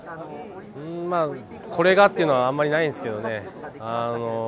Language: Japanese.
これがっていうのは、あんまりないですけどね。